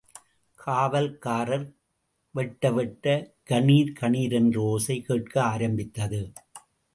காவல்காரர் வெட்ட வெட்ட கணீர் கணீர் என்ற ஓசை கேட்க ஆரம்பித்தது.